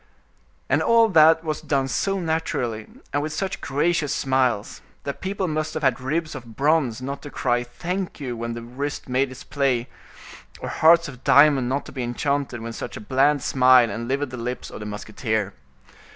And all that was done so naturally, and with such gracious smiles, that people must have had ribs of bronze not to cry thank you when the wrist made its play, or hearts of diamond not to be enchanted when such a bland smile enlivened the lips of the musketeer.